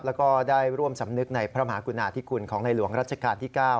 แล้วก็ได้ร่วมสำนึกในพระมหากุณาธิคุณของในหลวงรัชกาลที่๙